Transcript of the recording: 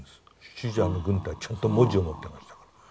シーザーの軍隊ちゃんと文字を持ってましたから。